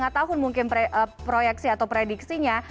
lima tahun mungkin proyeksi atau prediksinya